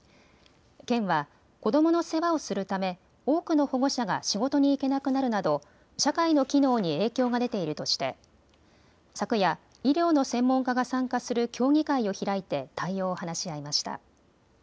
県は、子どもの世話をするため多くの保護者が仕事に行けなくなるなど社会の機能に影響が出ているとして昨夜、医療の専門家が参加する協議会を開いて対応を話し合いました。